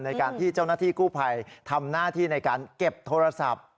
ในการที่เจ้าหน้าที่กู้ภัยทำหน้าที่ในการเก็บโทรศัพท์